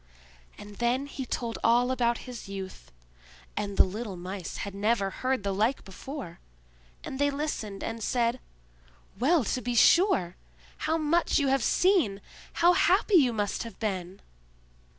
And then he told all about his youth; and the little Mice had never heard the like before; and they listened and said: "Well, to be sure! How much you have seen! How happy you must have been!"